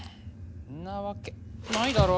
なわけないだろ！